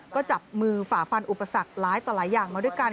ก็จับมือฝ่าฟันอุปสรรคร้ายต่อหลายอย่างมาด้วยกัน